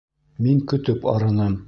Мин көтөп арыным.